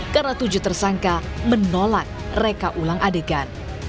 karena tujuh tersangka menolak reka ulang adegan